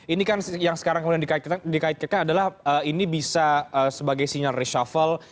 ini kan yang sekarang kemudian dikaitkan adalah ini bisa sebagai sinyal reshuffle